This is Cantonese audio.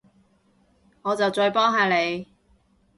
我就再幫下你